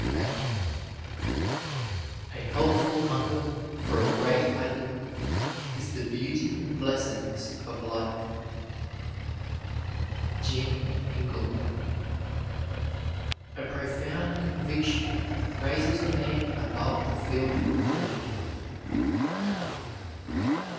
BATE. A healthful hunger for a great idea is the beauty and blessedness of life. JEAN INGELOW. A profound conviction raises a man above the feeling of ridicule.